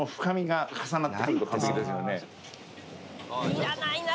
いらないな